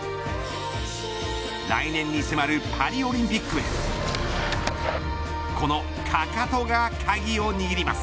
来年に迫るパリオリンピックへこのかかとが鍵を握ります。